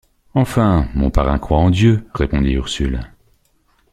Enfin! mon parrain croit en Dieu, répondit Ursule.